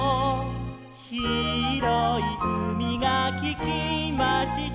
「ひろいうみがききました」